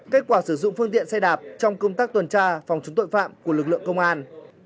kết quả sử dụng phương tiện xe đạp trong công tác tuần tra phòng chống tội phạm của lực lượng công an